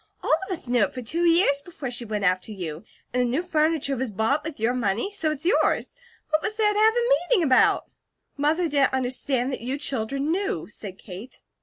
All of us knew it for two years before she went after you. And the new furniture was bought with your money, so it's yours; what was there to have a meeting about?" "Mother didn't understand that you children knew," said Kate.